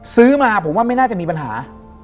ซื้อมาผมว่าไม่น่าจะมีปัญหา